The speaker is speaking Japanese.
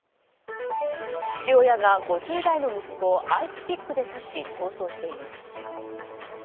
父親が５０代の息子をアイスピックで刺し逃走しています。